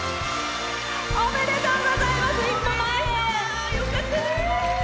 おめでとうございます。